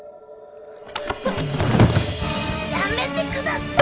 やめてください！